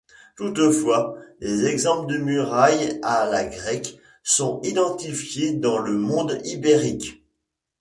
Toutefois, des exemples de murailles à la grecque sont identifiés dans le monde ibérique.